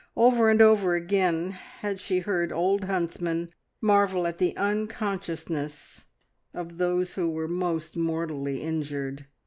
Over and over again had she heard old huntsmen marvel at the unconsciousness of those who were most mortally injured.